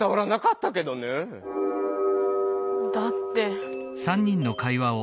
だって。